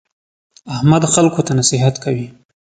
احمد خلکو ته نصیحت کوي.